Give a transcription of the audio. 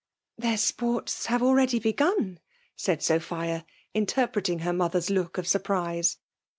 Their sports have already begun," saU S^hia, interpreting hor mothcor'S' look of mr^ prise.